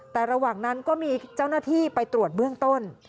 แต่ระหว่างนั้นก็มีเจ้าหน้าที่ไปตรวจเบื้องต้น